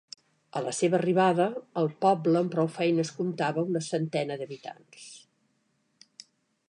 A la seva arribada, el poble amb prou feines comptava una centena d'habitants.